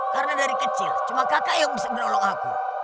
karena dari kecil cuma kakak yang bisa menolong aku